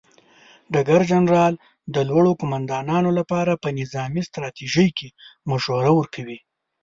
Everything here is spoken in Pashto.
ډګر جنرال د لوړو قوماندانانو لپاره په نظامي ستراتیژۍ کې مشوره ورکوي.